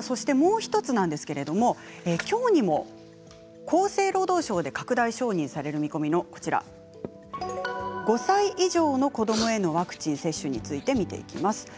そしてもう１つなんですけれどもきょうにも厚生労働省で拡大承認される見込みの５歳以上の子どもへのワクチン接種について見ていきます。